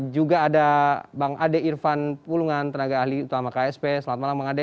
juga ada bang ade irfan pulungan tenaga ahli utama ksp selamat malam bang ade